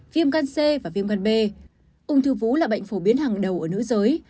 viêm can c và viêm can b ung thư vú là bệnh phổ biến hàng đầu ở nữ giới